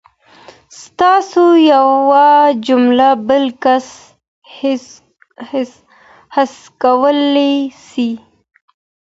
ستاسو یوه جمله بل کس هڅولی سي.